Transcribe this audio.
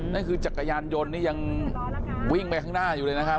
นั่นคือจักรยานยนต์นี่ยังวิ่งไปข้างหน้าอยู่เลยนะครับ